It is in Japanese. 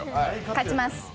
勝ちます。